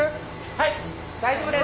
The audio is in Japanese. はい大丈夫です。